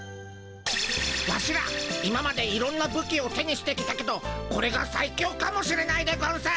ワシら今までいろんなぶきを手にしてきたけどこれがさい強かもしれないでゴンス。